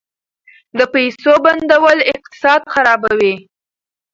د پیسو بندول اقتصاد خرابوي.